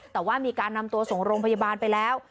แต่ว่ามีการนำตัวส่งโรงพยาบาลไปแล้ว